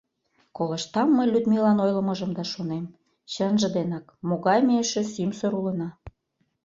Колыштам мый Людмилан ойлымыжым да шонем: «Чынже денак, могай ме эше сӱмсыр улына.